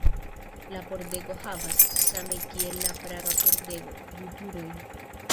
La pordego havas, same kiel la Praga pordego, du turojn.